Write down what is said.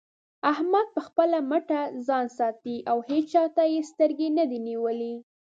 احمد په خپله مټه ځان ساتي او هيچا ته يې سترګې نه دې نيولې.